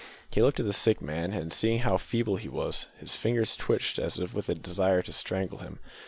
He looked at the sick man, and, seeing how feeble he was, his fingers twitched as if with a desire to strangle him.